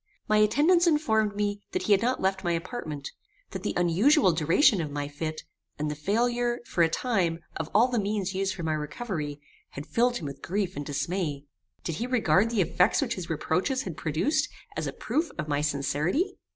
My attendants informed me that he had not left my apartment; that the unusual duration of my fit, and the failure, for a time, of all the means used for my recovery, had filled him with grief and dismay. Did he regard the effect which his reproaches had produced as a proof of my sincerity?